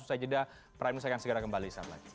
usai jeda primus akan segera kembali